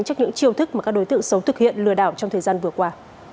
trước những chiêu thức mà các đối tượng xấu thực hiện lừa đảo trong thời gian vừa qua